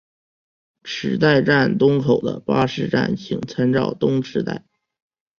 池袋站东口的巴士站请参照东池袋。